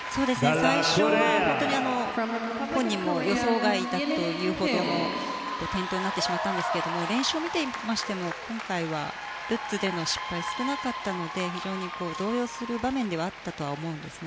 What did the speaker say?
最初は本当に本人も予想外だというほどの転倒になってしまったんですが練習を見ていましても今回はルッツでの失敗少なかったので非常に動揺する場面ではあったと思うんですね。